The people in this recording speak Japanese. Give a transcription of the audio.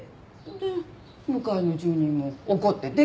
で向かいの住人も怒って出てっちゃったの。